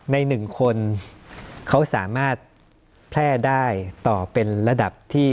หนึ่งคนเขาสามารถแพร่ได้ต่อเป็นระดับที่